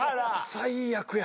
最悪や。